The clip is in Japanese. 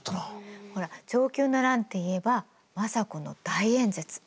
ほら承久の乱っていえば政子の大演説。